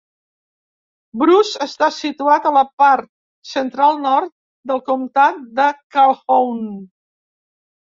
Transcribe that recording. Bruce està situat a la part central-nord del comtat de Calhoun.